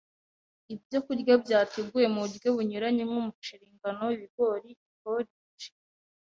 Ibyokurya byateguwe mu buryo bunyuranye nk’umuceri, ingano, ibigori, iporici